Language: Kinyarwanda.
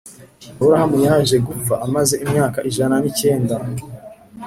Aburahamu yaje gupfa amaze imyaka ijana n’icyenda